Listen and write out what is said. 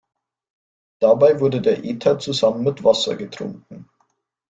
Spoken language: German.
Dabei wurde der Ether zusammen mit Wasser getrunken.